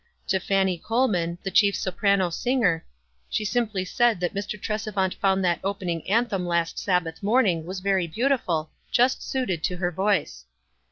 To Fanny Colman, the chief soprano singer, she simply said that Mr. Tresevant thought that opening anthem last Sabbath morning was very beautiful, just suited to her voice.